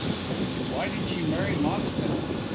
"Why did she marry Moxton?"